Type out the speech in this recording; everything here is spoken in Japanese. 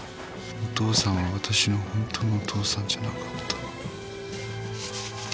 「お父さんは私の本当のお父さんじゃなかった」